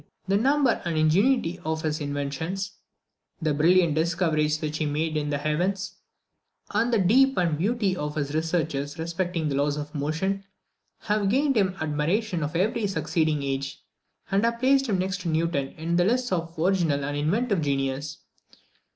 The number and ingenuity of his inventions, the brilliant discoveries which he made in the heavens, and the depth and beauty of his researches respecting the laws of motion, have gained him the admiration of every succeeding age, and have placed him next to Newton in the lists of original and inventive genius.